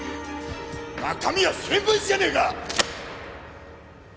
中身は新聞紙じゃねえか！